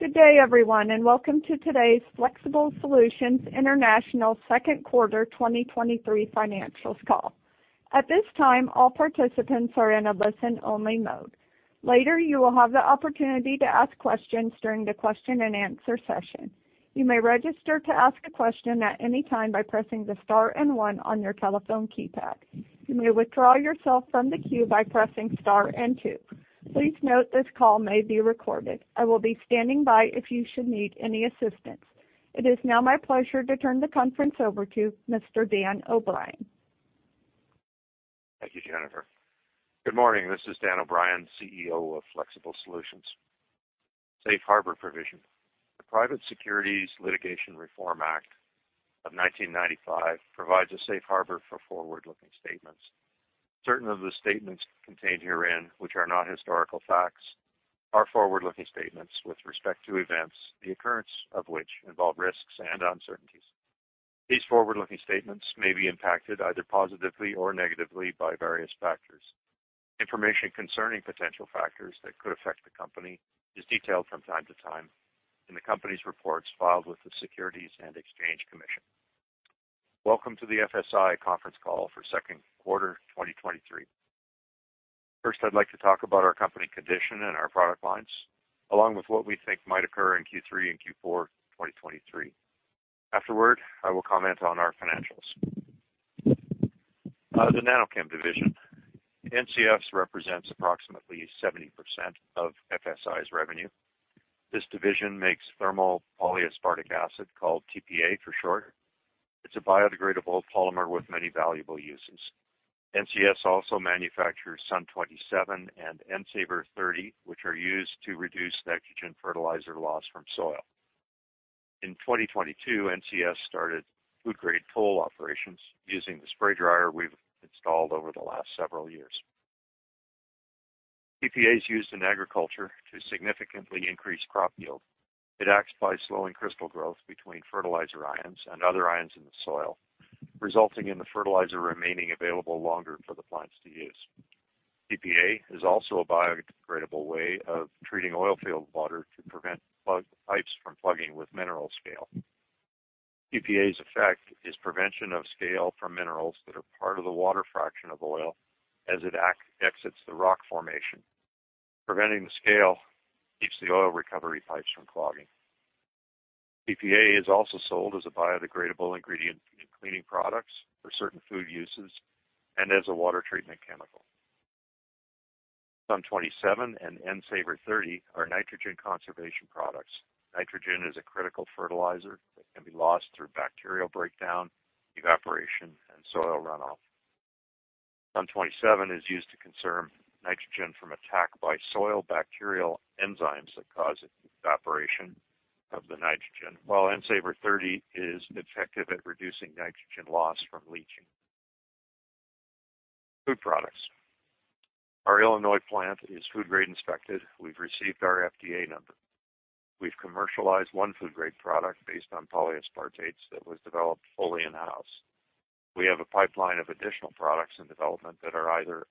Good day, everyone, and welcome to today's Flexible Solutions International second quarter 2023 financials call. At this time, all participants are in a listen-only mode. Later, you will have the opportunity to ask questions during the question-and-answer session. You may register to ask a question at any time by pressing the star and one on your telephone keypad. You may withdraw yourself from the queue by pressing star and two. Please note, this call may be recorded. I will be standing by if you should need any assistance. It is now my pleasure to turn the conference over to Mr. Dan O'Brien. Thank you, Jennifer. Good morning, this is Dan O'Brien, CEO of Flexible Solutions. Safe Harbor provision. The Private Securities Litigation Reform Act of 1995 provides a Safe Harbor for forward-looking statements. Certain of the statements contained herein, which are not historical facts, are forward-looking statements with respect to events, the occurrence of which involve risks and uncertainties. These forward-looking statements may be impacted either positively or negatively by various factors. Information concerning potential factors that could affect the company is detailed from time to time in the company's reports filed with the Securities and Exchange Commission. Welcome to the FSI conference call for second quarter 2023. First, I'd like to talk about our company condition and our product lines, along with what we think might occur in Q3 and Q4 2023. Afterward, I will comment on our financials. The NanoChem division. NCS represents approximately 70% of FSI's revenue. This division makes thermal polyaspartic acid, called TPA for short. It's a biodegradable polymer with many valuable uses. NCS also manufactures Sun 27 and N-Savr 30, which are used to reduce nitrogen fertilizer loss from soil. In 2022, NCS started food-grade full operations using the spray dryer we've installed over the last several years. TPA is used in agriculture to significantly increase crop yield. It acts by slowing crystal growth between fertilizer ions and other ions in the soil, resulting in the fertilizer remaining available longer for the plants to use. TPA is also a biodegradable way of treating oil field water to prevent pipes from plugging with mineral scale. TPA's effect is prevention of scale from minerals that are part of the water fraction of oil as it exits the rock formation. Preventing the scale keeps the oil recovery pipes from clogging. TPA is also sold as a biodegradable ingredient in cleaning products for certain food uses and as a water treatment chemical. Sun 27 and N-Savr 30 are nitrogen conservation products. Nitrogen is a critical fertilizer that can be lost through bacterial breakdown, evaporation, and soil runoff. Sun 27 is used to conserve nitrogen from attack by soil bacterial enzymes that cause evaporation of the nitrogen, while N-Savr 30 is effective at reducing nitrogen loss from leaching. Food products. Our Illinois plant is food grade inspected. We've received our FDA number. We've commercialized one food-grade product based on polyaspartates that was developed fully in-house. We have a pipeline of additional products in development that are either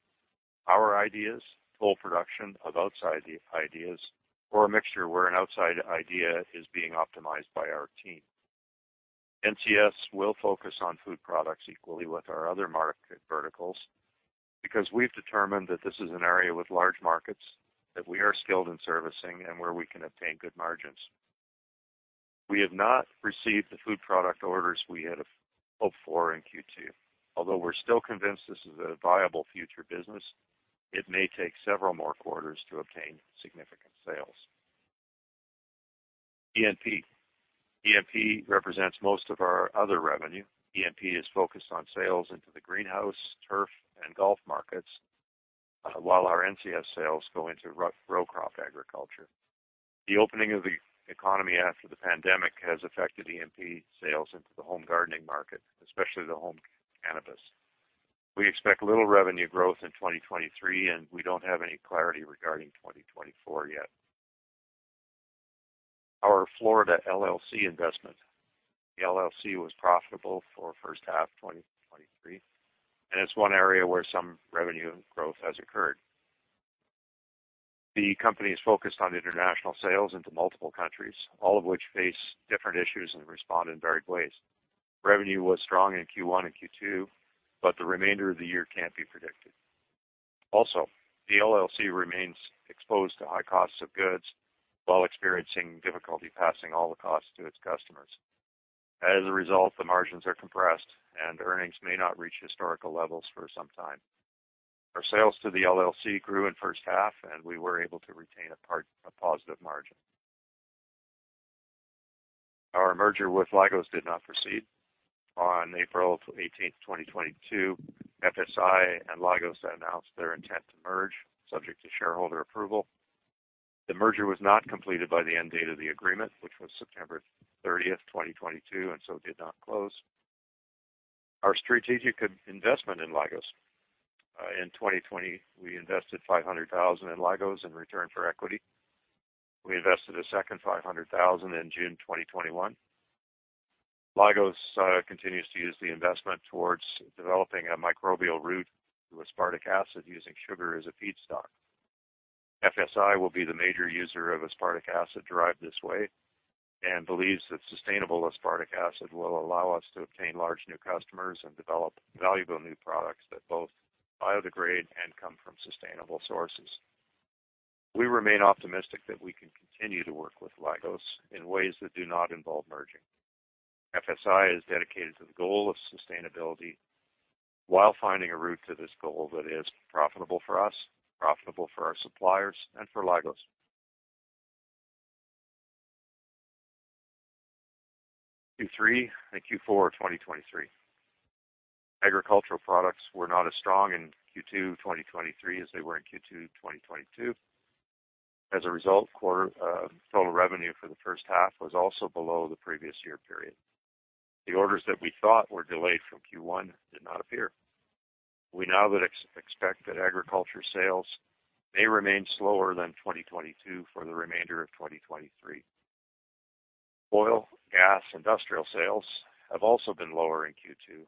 our ideas, full production of outside ideas, or a mixture where an outside idea is being optimized by our team. NCS will focus on food products equally with our other market verticals because we've determined that this is an area with large markets, that we are skilled in servicing and where we can obtain good margins. We have not received the food product orders we had hoped for in Q2. Although we're still convinced this is a viable future business, it may take several more quarters to obtain significant sales. ENP. ENP represents most of our other revenue. ENP is focused on sales into the greenhouse, turf, and golf markets, while our NCS sales go into row crop agriculture. The opening of the economy after the pandemic has affected ENP sales into the home gardening market, especially the home cannabis. We expect little revenue growth in 2023, and we don't have any clarity regarding 2024 yet. Our Florida LLC investment. The LLC was profitable for first half 2023, and it's one area where some revenue growth has occurred. The company is focused on international sales into multiple countries, all of which face different issues and respond in varied ways. Revenue was strong in Q1 and Q2, but the remainder of the year can't be predicted. The LLC remains exposed to high costs of goods while experiencing difficulty passing all the costs to its customers. As a result, the margins are compressed and earnings may not reach historical levels for some time. Our sales to the LLC grew in first half, and we were able to retain a positive margin. Our merger with Lygos did not proceed. On April 18, 2022, FSI and Lygos announced their intent to merge, subject to shareholder approval. The merger was not completed by the end date of the agreement, which was September 30, 2022, and so it did not close. Our strategic investment in Lygos. In 2020, we invested 500,000 in Lygos in return for equity. We invested a second 500,000 in June 2021. Lygos continues to use the investment towards developing a microbial route to aspartic acid using sugar as a feedstock. FSI will be the major user of aspartic acid derived this way, and believes that sustainable aspartic acid will allow us to obtain large new customers and develop valuable new products that both biodegrade and come from sustainable sources. We remain optimistic that we can continue to work with Lygos in ways that do not involve merging. FSI is dedicated to the goal of sustainability while finding a route to this goal that is profitable for us, profitable for our suppliers, and for Lygos. Q3 and Q4 2023. Agricultural products were not as strong in Q2 2023 as they were in Q2 2022. As a result, quarter, total revenue for the first half was also below the previous year period. The orders that we thought were delayed from Q1 did not appear. We now would expect that agriculture sales may remain slower than 2022 for the remainder of 2023. Oil, gas, industrial sales have also been lower in Q2.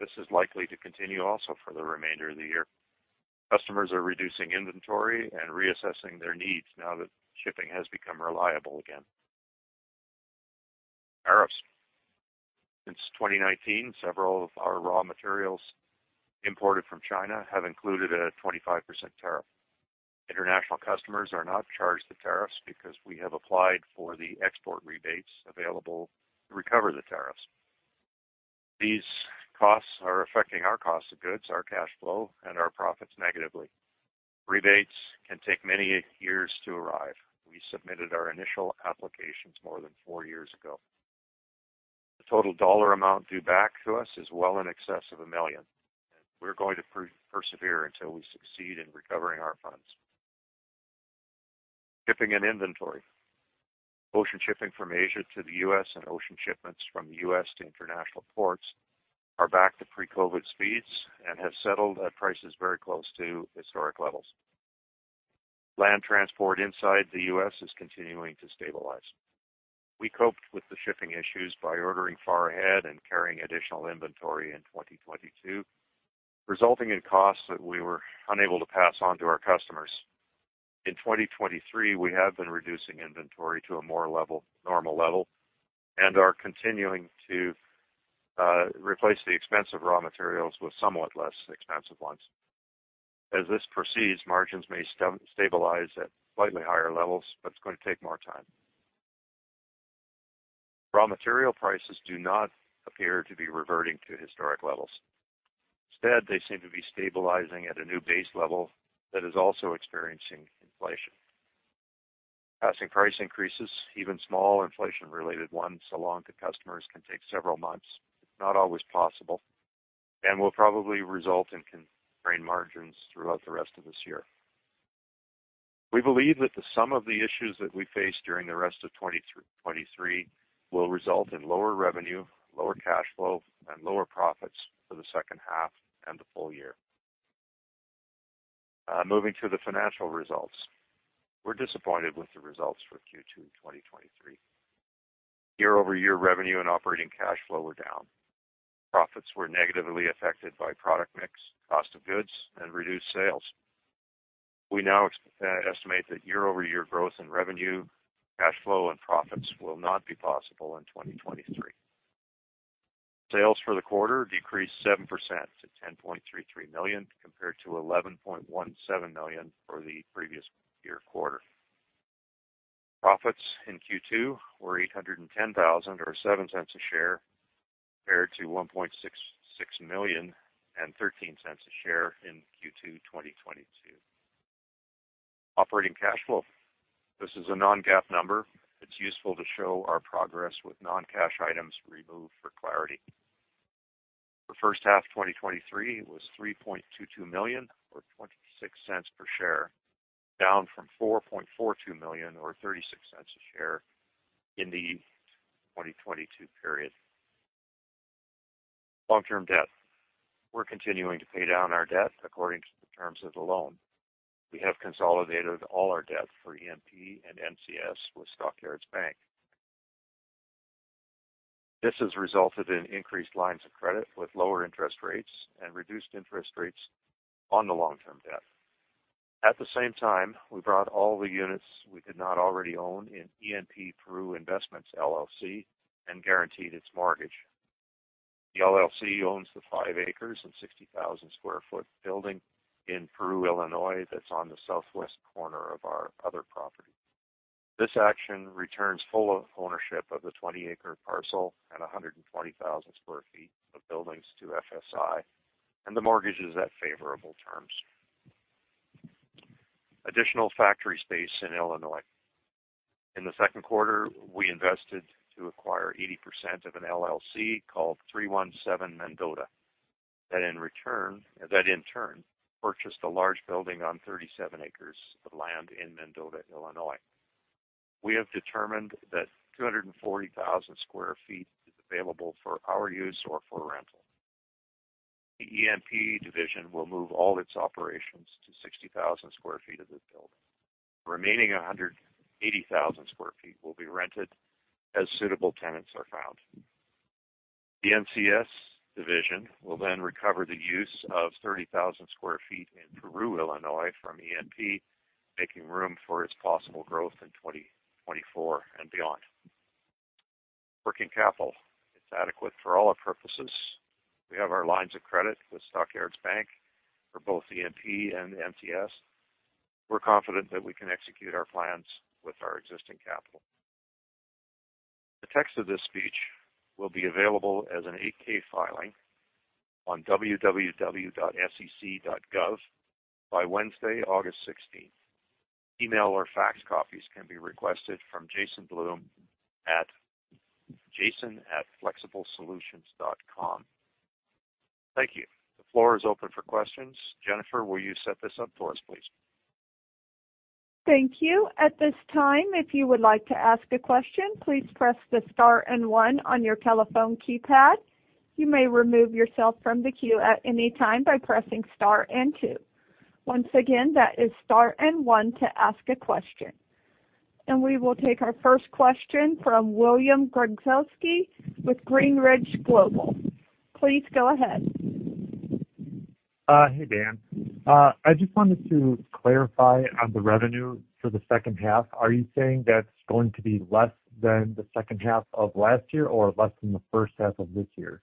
This is likely to continue also for the remainder of the year. Customers are reducing inventory and reassessing their needs now that shipping has become reliable again. Tariffs. Since 2019, several of our raw materials imported from China have included a 25% tariff. International customers are not charged the tariffs because we have applied for the export rebates available to recover the tariffs. These costs are affecting our cost of goods, our cash flow, and our profits negatively. Rebates can take many years to arrive. We submitted our initial applications more than four years ago. The total dollar amount due back to us is well in excess of one million. We're going to persevere until we succeed in recovering our funds. Shipping and inventory. Ocean shipping from Asia to the U.S., and ocean shipments from the U.S. to international ports, are back to pre-COVID speeds and have settled at prices very close to historic levels. Land transport inside the U.S. is continuing to stabilize. We coped with the shipping issues by ordering far ahead and carrying additional inventory in 2022, resulting in costs that we were unable to pass on to our customers. In 2023, we have been reducing inventory to a more level, normal level and are continuing to replace the expensive raw materials with somewhat less expensive ones. As this proceeds, margins may stabilize at slightly higher levels, but it's going to take more time. Raw material prices do not appear to be reverting to historic levels. Instead, they seem to be stabilizing at a new base level that is also experiencing inflation. Passing price increases, even small inflation-related ones, along to customers can take several months. It's not always possible and will probably result in constrained margins throughout the rest of this year. We believe that the sum of the issues that we face during the rest of 2023 will result in lower revenue, lower cash flow, and lower profits for the second half and the full year. Moving to the financial results. We're disappointed with the results for Q2 2023. Year-over-year revenue and operating cash flow were down. Profits were negatively affected by product mix, cost of goods, and reduced sales. We now estimate that year-over-year growth in revenue, cash flow, and profits will not be possible in 2023. Sales for the quarter decreased 7% to 10.33 million, compared to 11.17 million for the previous year quarter. Profits in Q2 were 810,000, or 0.07 a share, compared to 1.66 million and 0.13 a share in Q2 2022. Operating cash flow. This is a non-GAAP number. It's useful to show our progress with non-cash items removed for clarity. The first half 2023 was 3.22 million, or 0.26 per share, down from 4.42 million, or 0.36 a share in the 2022 period. Long-term debt. We're continuing to pay down our debt according to the terms of the loan. We have consolidated all our debt for ENP and NCS with Stock Yards Bank. This has resulted in increased lines of credit with lower interest rates and reduced interest rates on the long-term debt. At the same time, we brought all the units we did not already own in ENP Peru Investments, LLC, and guaranteed its mortgage. The LLC owns the 5 acres and 60,000 sq ft building in Peru, Illinois, that's on the southwest corner of our other property. This action returns full ownership of the 20-acre parcel and 120,000 sq ft of buildings to FSI. The mortgage is at favorable terms. Additional factory space in Illinois. In the second quarter, we invested to acquire 80% of an LLC called 317 Mendota, that in turn, purchased a large building on 37 acres of land in Mendota, Illinois. We have determined that 240,000 sq ft is available for our use or for rental. The ENP division will move all its operations to 60,000 sq ft of this building. Remaining 180,000 sq ft will be rented as suitable tenants are found. The NCS division will recover the use of 30,000 sq ft in Peru, Illinois, from ENP, making room for its possible growth in 2024 and beyond. Working capital, it's adequate for all our purposes. We have our lines of credit with Stock Yards Bank for both ENP and NCS. We're confident that we can execute our plans with our existing capital. The text of this speech will be available as an 8-K filing on www.sec.gov by Wednesday, August sixteenth. Email or fax copies can be requested from Jason Bloom at jason@flexiblesolutions.com. Thank you. The floor is open for questions. Jennifer, will you set this up for us, please? Thank you. At this time, if you would like to ask a question, please press the star and one on your telephone keypad. You may remove yourself from the queue at any time by pressing star and two. Once again, that is star and one to ask a question. We will take our first question from William Gregozeski with Greenridge Global. Please go ahead. Hey, Dan. I just wanted to clarify on the revenue for the second half. Are you saying that's going to be less than the second half of last year or less than the first half of this year?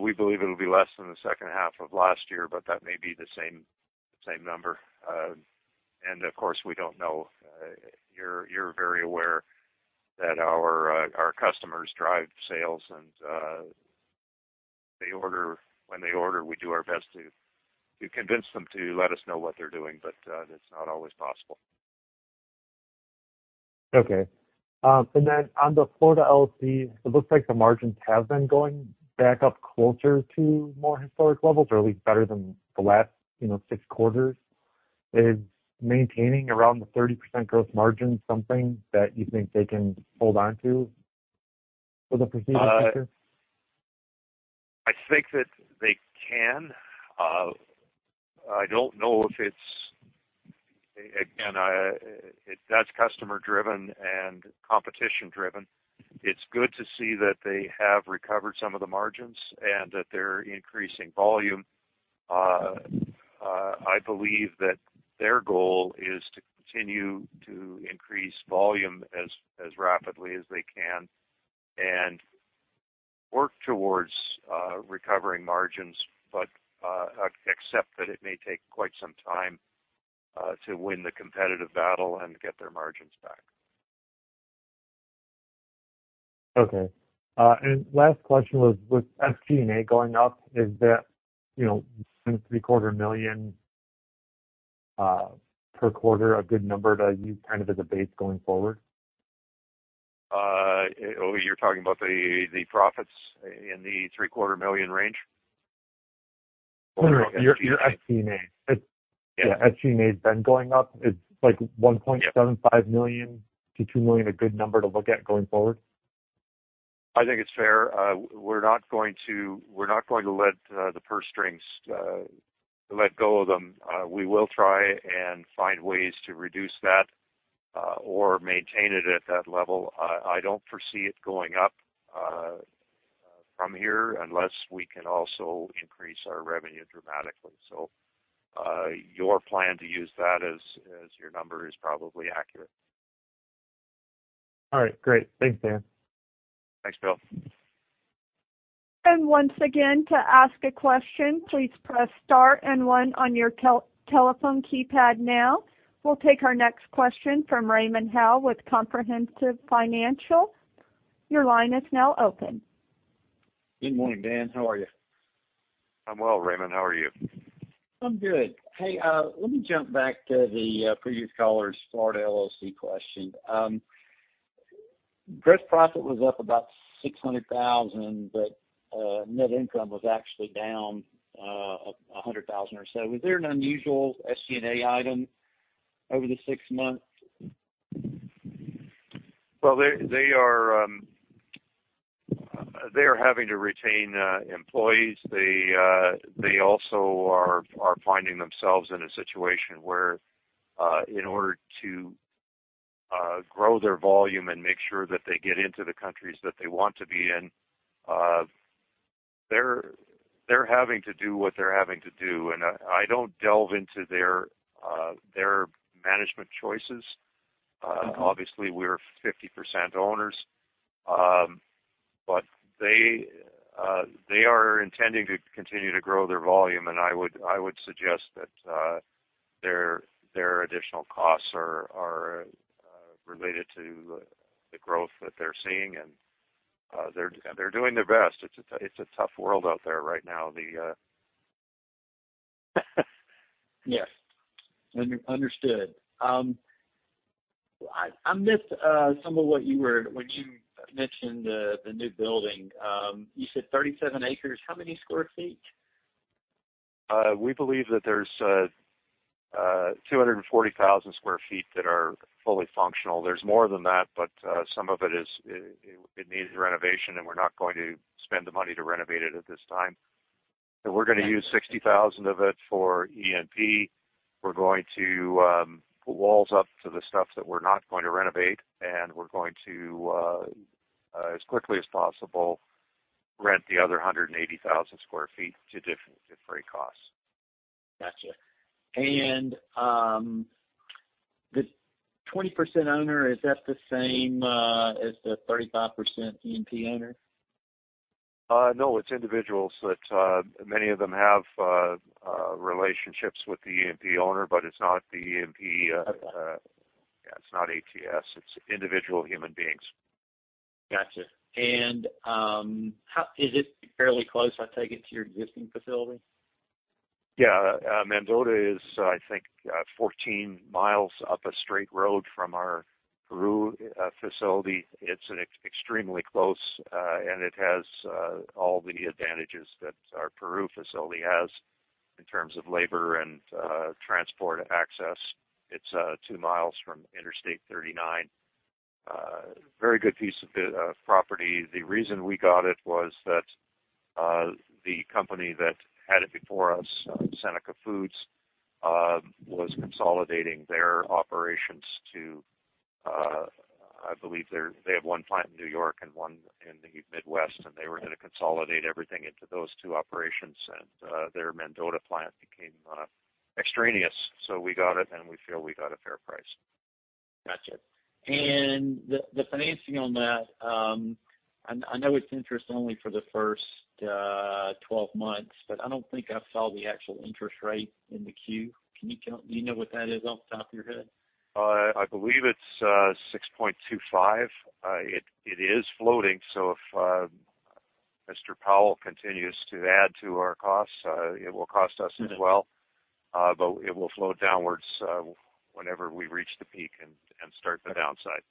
We believe it'll be less than the second half of last year, but that may be the same, same number. Of course, we don't know. You're, you're very aware that our customers drive sales, and they order. When they order, we do our best to, to convince them to let us know what they're doing, but that's not always possible. Okay. Then on the Florida LLC, it looks like the margins have been going back up closer to more historic levels, or at least better than the last, you know, 6 quarters. Is maintaining around the 30% growth margin, something that you think they can hold on to for the foreseeable future? I think that they can. I don't know if it's... Again, that's customer-driven and competition-driven. It's good to see that they have recovered some of the margins and that they're increasing volume. I believe that their goal is to continue to increase volume as, as rapidly as they can and work towards recovering margins, but accept that it may take quite some time to win the competitive battle and get their margins back. Okay. last question was, with SG&A going up, is that, since 750,000 per quarter, a good number to use going forward? Oh, you're talking about the, the profits in the $750,000 range? Your, your SG&A. Yeah. SG&A has been going up. It's like 1 point- Yeah 7.5 million-2 million, a good number to look at going forward? I think it's fair. We're not going to, we're not going to let the purse strings let go of them. We will try and find ways to reduce that or maintain it at that level. I, I don't foresee it going up from here, unless we can also increase our revenue dramatically. Your plan to use that as, as your number is probably accurate. All right, great. Thanks, Dan. Thanks, Bill. Once again, to ask a question, please press star one on your telephone keypad now. We'll take our next question from Raymond Howe with Comprehensive Financial. Your line is now open. Good morning, Dan. How are you? I'm well, Raymond. How are you? I'm good. Hey, let me jump back to the previous caller's Florida LLC question. Gross profit was up about 600,000. Net income was actually down 100,000 or so. Was there an unusual SG&A item over the six months? Well, they, they are, they are having to retain employees. They, they also are, are finding themselves in a situation where, in order to grow their volume and make sure that they get into the countries that they want to be in, they're, they're having to do what they're having to do, and I, I don't delve into their, their management choices. Obviously, we're 50% owners. But they, they are intending to continue to grow their volume, and I would, I would suggest that, their, their additional costs are, are, related to the growth that they're seeing, and, they're, they're doing their best. It's a, it's a tough world out there right now. Yes, understood. I missed some of what you were when you mentioned the new building. You said 37 acres. How many square feet? We believe that there's 240,000 sq ft that are fully functional. There's more than that, but some of it is, it, it needs renovation, and we're not going to spend the money to renovate it at this time. We're going to use 60,000 of it for ENP. We're going to put walls up to the stuff that we're not going to renovate, and we're going to, as quickly as possible, rent the other 180,000 sq ft to different, different costs. Gotcha. The 20% owner, is that the same, as the 35% ENP owner? No, it's individuals, but many of them have relationships with the ENP owner, but it's not the ENP. Okay. Yeah, it's not ATS. It's individual human beings. Gotcha. Is it fairly close, I take it, to your existing facility? Yeah. Mendota is, I think, 14 miles up a straight road from our Peru facility. It's extremely close, and it has all the advantages that our Peru facility has in terms of labor and transport access. It's two miles from Interstate 39. Very good piece of property. The reason we got it was that the company that had it before us, Seneca Foods, was consolidating their operations to, I believe, they're-- they have one plant in New York and one in the Midwest, and they were going to consolidate everything into those two operations, and their Mendota plant became extraneous. We got it, and we feel we got a fair price. Gotcha. The, the financing on that, I, I know it's interest only for the first, 12 months, but I don't think I saw the actual interest rate in the queue. Do you know what that is, off the top of your head? I believe it's 6.25%. It, it is floating, so if Mr. Powell continues to add to our costs, it will cost us as well. Mm-hmm. It will flow downwards, whenever we reach the peak and, and start the downside.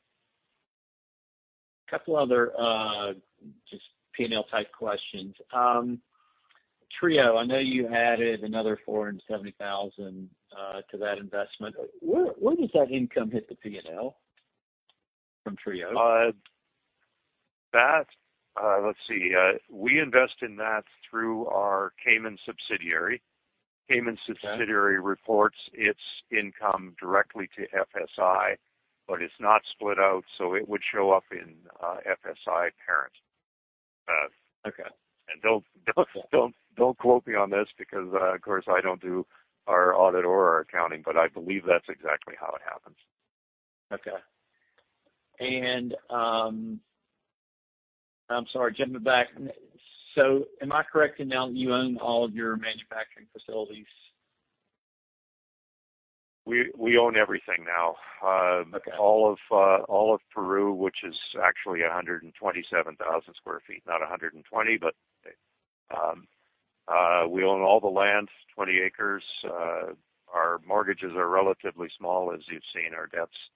Couple other, just P&L type questions. Trio, I know you added another 470,000 to that investment. Where, where does that income hit the P&L from Trio? That, let's see, we invest in that through our Cayman subsidiary. Okay. Cayman subsidiary reports its income directly to FSI, but it's not split out, so it would show up in FSI parent. Okay. Don't, don't, don't quote me on this because, of course, I don't do our audit or our accounting, but I believe that's exactly how it happens. I'm sorry, jumping back. Am I correct in knowing you own all of your manufacturing facilities? We, we own everything now. Okay. All of, all of Peru, which is actually 127,000 sq ft, not 120, but, we own all the land, 20 acres. Our mortgages are relatively small, as you've seen. Our debts--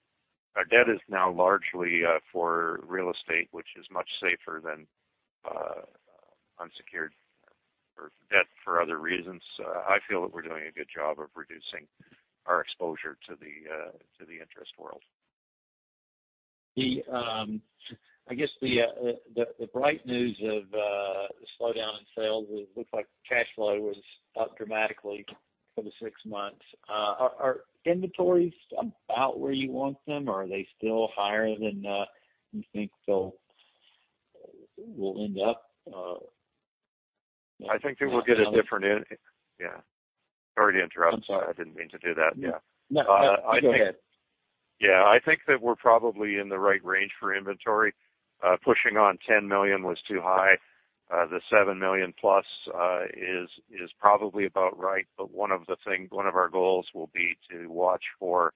our debt is now largely, for real estate, which is much safer than, unsecured or debt for other reasons. I feel that we're doing a good job of reducing our exposure to the, to the interest world. The, I guess, the, the, the bright news of the slowdown in sales, it looks like cash flow was up dramatically for the 6 months. Are, are inventories about where you want them, or are they still higher than you think they'll, will end up? I think they will get a different. Yeah. Sorry to interrupt. I'm sorry. I didn't mean to do that. Yeah. No, go ahead. Yeah. I think that we're probably in the right range for inventory. Pushing on 10 million was too high. The seven million plus is probably about right, but one of the things, one of our goals will be to watch for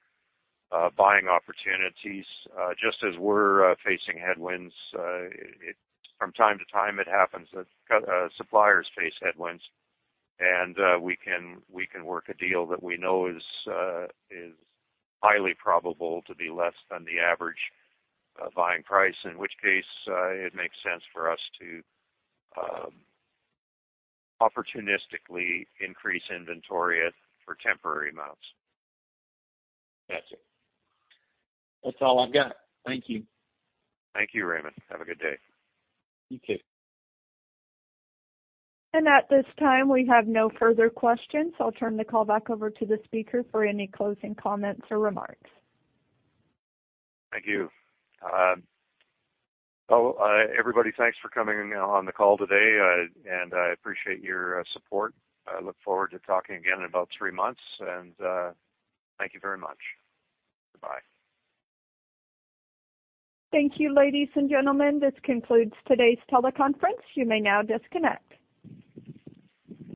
buying opportunities. Just as we're facing headwinds, it from time to time happens that suppliers face headwinds, and we can work a deal that we know is highly probable to be less than the average buying price, in which case, it makes sense for us to opportunistically increase inventory for temporary amounts. Gotcha. That's all I've got. Thank you. Thank you, Raymond. Have a good day. You too. At this time, we have no further questions, so I'll turn the call back over to the speaker for any closing comments or remarks. Thank you. Well, everybody, thanks for coming on the call today, and I appreciate your support. I look forward to talking again in about three months, and thank you very much. Goodbye. Thank you, ladies and gentlemen. This concludes today's teleconference. You may now disconnect.